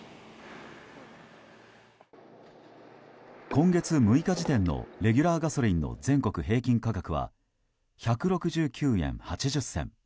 今月６日時点のレギュラーガソリンの全国平均価格は１６９円８０銭。